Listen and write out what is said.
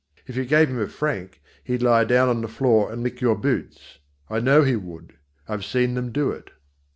If you gave him a franc, he'd lie down on the floor and lick your boots. I know he would; I've seen them do it.